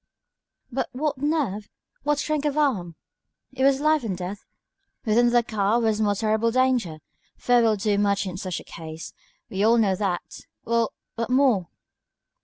"But what nerve! what strength of arm!" "It was life and death. Within the car was more terrible danger. Fear will do much in such a case. We all know that. Well! what more?"